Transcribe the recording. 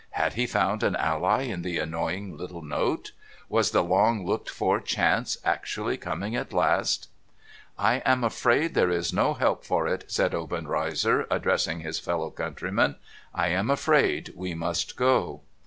Had he found an ally in the annoying little note ? Was the long looked for chance actually coming at last ? 'I am afraid there is no help for it?' said Obenreizer, addressing his fellow countryman. ' I am afraid we must go.'